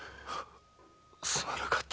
すまなかった。